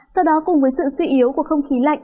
sau đó cùng với sự suy yếu của không khí lạnh